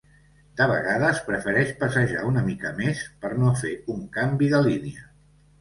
De vegades prefereix passejar una mica més per no fer un canvi de línia.